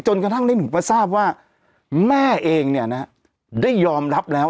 กระทั่งได้หนูมาทราบว่าแม่เองเนี่ยนะได้ยอมรับแล้ว